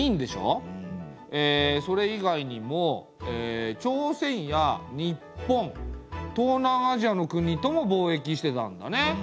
えそれ以外にも朝鮮や日本東南アジアの国とも貿易してたんだね。